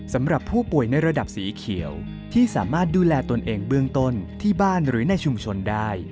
สำหรับผู้ป่วยในระดับสีเขียวที่สามารถดูแลตนเองเบื้องต้นที่บ้านหรือในชุมชนได้